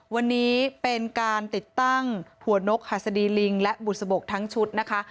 วันนี้เป็นการติดตั้งหัวนกหัสดีลิงและบุษบกทั้งชุดนะคะ